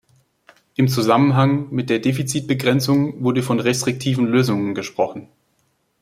Im Zusammenhang mit der Defizitbegrenzung wurde von restriktiven Lösungen gesprochen.